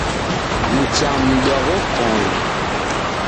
Nichamdwa w'okoni.